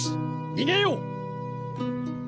にげよう！